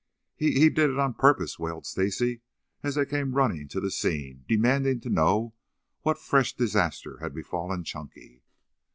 "He he did it on purpose," wailed Stacy as they came running to the scene demanding to know what fresh disaster had befallen Chunky.